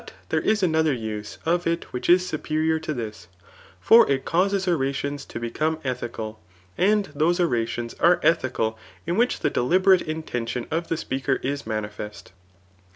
tbere is another use of it which is superior to this; ibr it causes orations, to become etUcaL And those oratioiis are ethical in which the dek'berate inMition of the speaker is manifest*